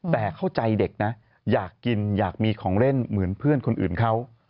แต่เข้าใจเด็กนะอยากกินอยากมีของเล่นเหมือนเพื่อนคนอื่นเขา